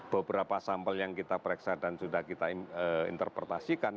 beberapa sampel yang kita pereksa dan sudah kita interpretasikan